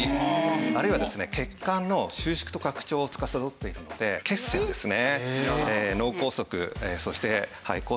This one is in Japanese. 血管の収縮と拡張をつかさどっているので血栓ですね。